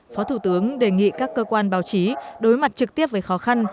phó thủ tướng đề nghị các cơ quan báo chí đối mặt trực tiếp với khó khăn